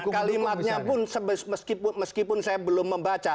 kalimatnya pun meskipun saya belum membaca